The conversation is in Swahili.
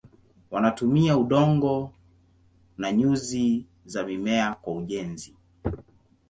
Wanatumia udongo na nyuzi za mimea kwa ujenzi.